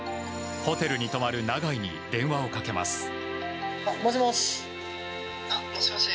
ホテルに泊まる永井に電話をかけます。